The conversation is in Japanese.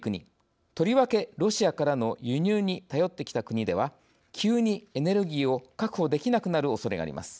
とりわけロシアからの輸入に頼ってきた国では急にエネルギーを確保できなくなるおそれがあります。